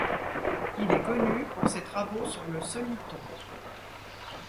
Il est connu pour ses travaux sur le soliton.